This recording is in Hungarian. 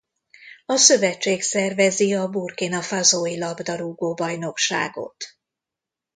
A szövetség szervezi a Burkina Fasó-i labdarúgó-bajnokságot.